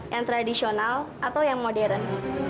yang tradisional atau yang modern